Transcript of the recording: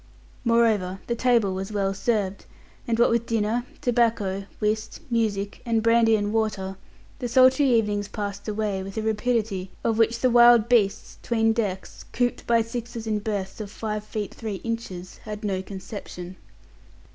Moreover, the table was well served, and what with dinner, tobacco, whist, music, and brandy and water, the sultry evenings passed away with a rapidity of which the wild beasts 'tween decks, cooped by sixes in berths of a mere five feet square, had no conception.